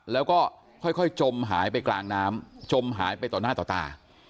แล้วก็ค่อยจมหายไปกลางน้ำจมหายไปต่อหน้าต่อตา